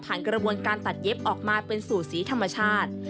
กระบวนการตัดเย็บออกมาเป็นสู่สีธรรมชาติ